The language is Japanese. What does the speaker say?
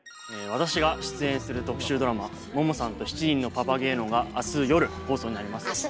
私が出演する特集ドラマ「ももさんと７人のパパゲーノ」が明日よる放送になります。